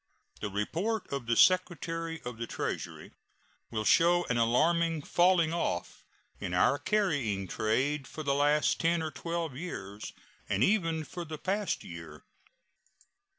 The report of the Secretary of the Treasury will show an alarming falling off in our carrying trade for the last ten or twelve years, and even for the past year.